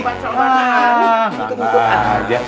wah tangan aja